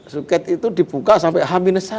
suket itu dibuka sampai h satu